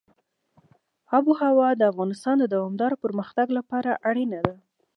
آب وهوا د افغانستان د دوامداره پرمختګ لپاره اړینه ده.